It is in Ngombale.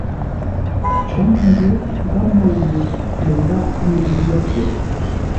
Cǒ məngyě gháp môu yé láʼ mə́i ngwó tyer.